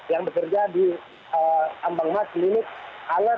yang bekerja di ambang mas limit alan yawaruntu